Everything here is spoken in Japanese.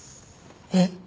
えっ？